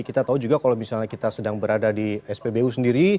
kita tahu juga kalau misalnya kita sedang berada di spbu sendiri